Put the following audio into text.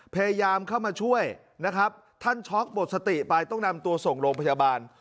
พยายามเข้ามาช่วยนะครับท่านช็อกหมดสติไปต้องนำตัวส่งโรงพยาบาล